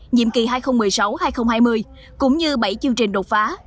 nhiệm kỳ hai nghìn một mươi sáu hai nghìn hai mươi cũng như bảy chương trình đột phá